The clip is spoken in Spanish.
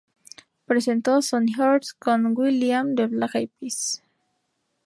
Presentó "Sunny Hours" con will.i.am de Black Eyed Peas.